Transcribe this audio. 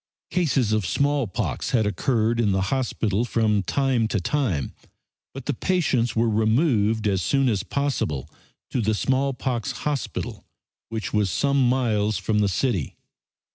Cases of smallpox had occurred in the hospital from time to time, but the patients were removed as soon as possible to the smallpox hospital, which was some miles from the city.